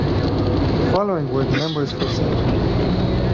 The following were the members for Simcoe.